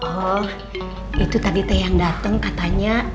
oh itu tadi teh yang datang katanya